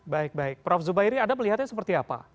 baik baik prof zubairi anda melihatnya seperti apa